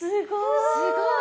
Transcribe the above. すごい！